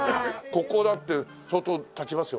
ここだって相当経ちますよ